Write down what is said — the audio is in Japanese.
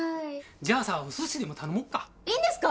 じゃあさ、おすしでも頼もういいんですか？